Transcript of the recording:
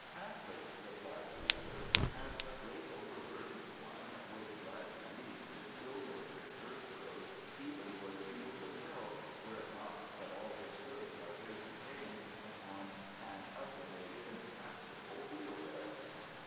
"Haply," replied the other; "and a greatly over burdened one would gladly leave this ill nurtured earth road even for the fields of hell, were it not that all his goods are here contained upon an utterly intractable wheel barrow."